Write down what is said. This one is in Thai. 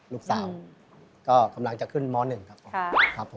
ลูกสาวก็กำลังจะขึ้นหม้อหนึ่งครับผมค่ะ